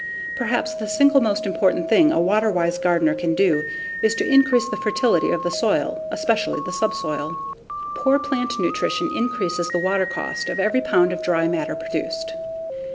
Perhaps the single most important thing a water wise gardener can do is to increase the fertility of the soil, especially the subsoil. _Poor plant nutrition increases the water cost of every pound of dry matter produced.